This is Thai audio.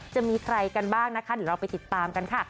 จะมีใครกันบ้างนะคะเดี๋ยวเราไปติดตามกันค่ะ